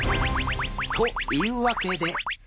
というわけで。